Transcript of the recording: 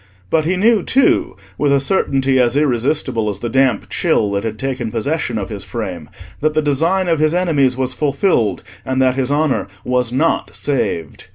But he knew too, with a certainty as irresistible as the damp chill that had taken possession of his frame, that the design of his enemies was fulfilled, and that his honour was not saved.